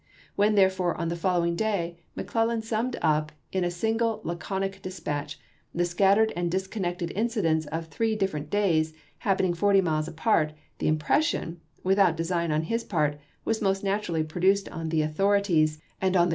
When therefore on the following day McClellan summed up in a single laconic dis patch ^ the scattered and disconnected incidents of three different days, happening forty miles apart, the impression (without design on his part) was most naturally produced upon the authorities and l"HUTTONSVILLE, Va.